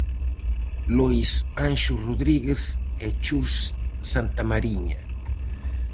Lois Anxo Rodríguez e Chus Santamariña.